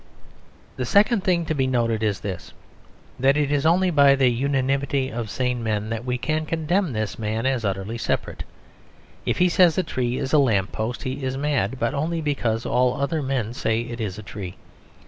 The second thing to be noted is this: that it is only by the unanimity of sane men that we can condemn this man as utterly separate. If he says a tree is a lamp post he is mad; but only because all other men say it is a tree.